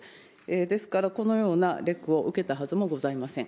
ですから、このようなレクを受けたはずもございません。